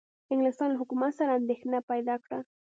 انګلستان له حکومت سره اندېښنه پیدا کړه.